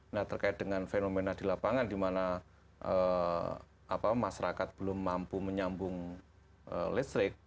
nah terkait dengan fenomena di lapangan di mana masyarakat belum mampu menyambung listrik